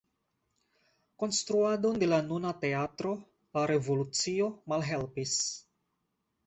Konstruadon de la nuna teatro la revolucio malhelpis.